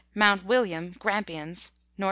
Mount William (Grampians), N.W.